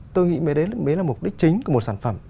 tôi nghĩ mới đấy mới là mục đích chính của một sản phẩm